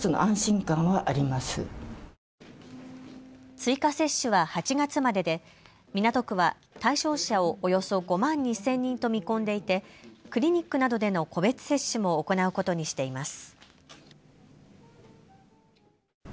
追加接種は８月までで港区は対象者をおよそ５万２０００人と見込んでいてクリニックなどでの個別接種も行うことにしています。